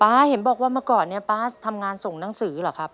เห็นบอกว่าเมื่อก่อนเนี่ยป๊าทำงานส่งหนังสือเหรอครับ